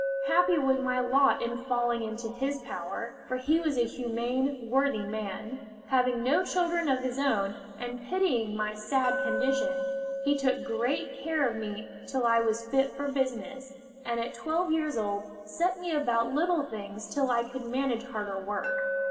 Happy was my lot in falling into his power, for he was a humane, worthy man. Having no children of his own, and pitying my sad condition, he took great care of me till I was fit for business, and at twelve years old set me about little things till I could manage harder work.